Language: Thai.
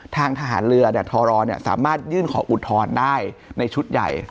ทางทหารเรือทรสามารถยื่นขออุทธรณ์ได้ในชุดใหญ่